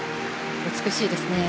美しいですね。